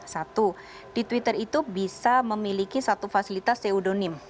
satu di twitter itu bisa memiliki satu fasilitas teodonim